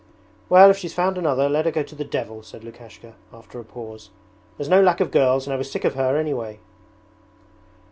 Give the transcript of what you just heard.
'Well, if she's found another let her go to the devil,' said Lukashka, after a pause. 'There's no lack of girls and I was sick of her anyway.'